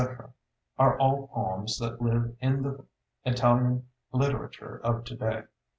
are all poems that live in the Italian literature of to day.